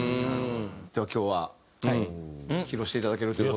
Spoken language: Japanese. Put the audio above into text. では今日は披露していただけるという事で。